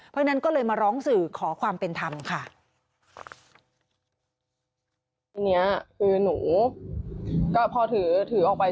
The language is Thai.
เพราะฉะนั้นก็เลยมาร้องสื่อขอความเป็นธรรมค่ะ